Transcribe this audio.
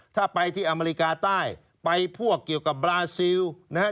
ถ้าไปที่อเมริกาใต้ไปพวกเกี่ยวกับบราซิลนะฮะ